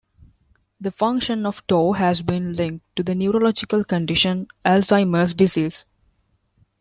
The function of tau has been linked to the neurological condition Alzheimer's disease.